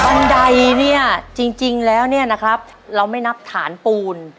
ันไดเนี่ยจริงแล้วเนี่ยนะครับเราไม่นับฐานปูน